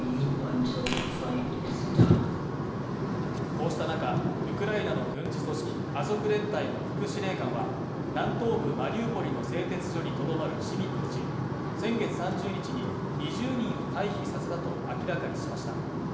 こうした中、ウクライナの軍事組織アゾフ連隊の副司令官は南東部マリウポリの製鉄所にとどまる市民のうち先月３０日に２０人を退避させたと明らかにしました。